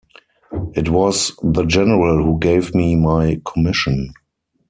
It was the General who gave me my commission.